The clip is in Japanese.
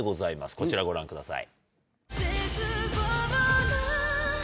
こちらをご覧ください。